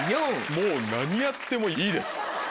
もう何やってもいいです。